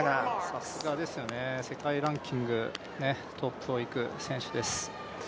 さすがですよね、世界ランキングトップをいく選手です。